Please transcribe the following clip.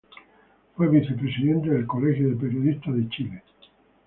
Fue vicepresidente del Colegio de Periodistas de Chile.